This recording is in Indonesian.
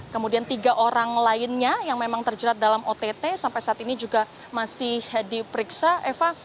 kemudian tiga orang lainnya yang memang terjerat dalam ott sampai saat ini juga masih diperiksa eva